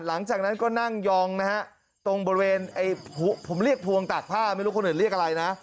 หลังจากนั้นก็นั่งยองนะฮะตรงบริเวณผมเรียกพวงตากผ้าไม่รู้คนอื่นเรียกอะไรนะ